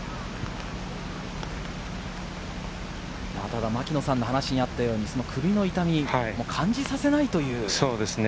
ただ牧野さんの話にあったように首の痛み、感じさせないという。